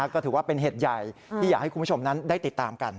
ก็ถือว่าเป็นเหตุใหญ่ที่อยากให้คุณผู้ชมนั้นได้ติดตามกัน